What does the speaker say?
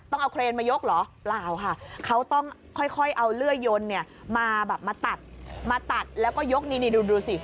ต้องเอาเครนมายกเหรอเปล่าค่ะเขาต้องค่อยเอาเลื่อยยนเนี่ยมาแบบมาตัดมาตัดแล้วก็ยกนี่นี่ดูดูสิ